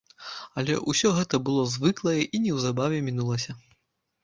Але ўсё гэта было звыклае і неўзабаве мінулася.